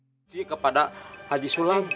terima kasih pak ustaz